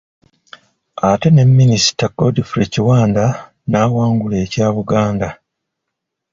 Ate ne Minisita Godfrey Kiwanda n'awangula ekya Buganda.